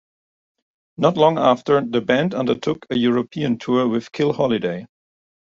Not long after, the band undertook a European tour with Kill Holiday.